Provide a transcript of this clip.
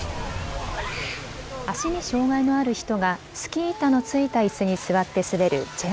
足に障害のある人がスキー板の付いたいすに座わって滑るチェア